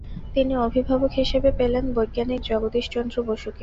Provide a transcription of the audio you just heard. তিনি অভিভাবক হিসেবে পেলেন বৈজ্ঞানিক জগদীশচন্দ্র বসুকে।